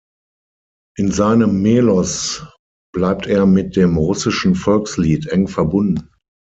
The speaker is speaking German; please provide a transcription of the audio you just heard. In seinem Melos bleibt er mit dem russischen Volkslied eng verbunden.